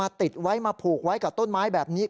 ติดไว้มาผูกไว้กับต้นไม้แบบนี้